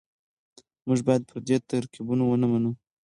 موږ بايد پردي ترکيبونه ونه منو.